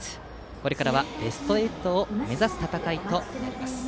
これからはベスト８を目指す戦いとなります。